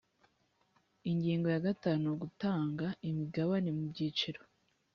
ingingo ya gatanu gutanga imigabane mu byiciro